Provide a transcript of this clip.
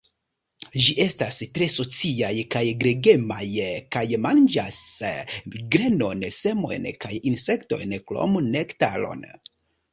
Ĝi estas tre sociaj kaj gregemaj kaj manĝas grenon, semojn kaj insektojn krom nektaron.